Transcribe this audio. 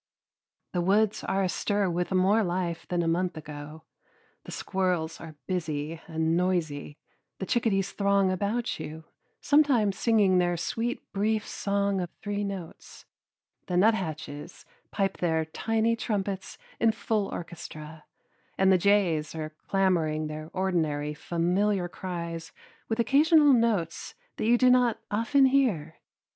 The woods are astir with more life than a month ago. The squirrels are busy and noisy, the chickadees throng about you, sometimes singing their sweet brief song of three notes; the nuthatches pipe their tiny trumpets in full orchestra, and the jays are clamoring their ordinary familiar cries with occasional notes that you do not often hear.